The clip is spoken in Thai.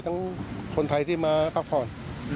คนไทยที่มาพักผ่อน